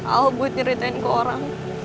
al buat nyeritain ke orang